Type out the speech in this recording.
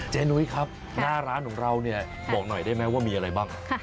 นุ้ยครับหน้าร้านของเราเนี่ยบอกหน่อยได้ไหมว่ามีอะไรบ้าง